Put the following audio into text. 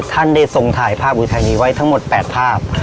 ท่านได้ทรงถ่ายภาพอุทัยนี้ไว้ทั้งหมด๘ภาพ